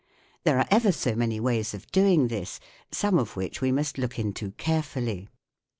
There are ever so many ways of doing this, some of which we must look into carefully.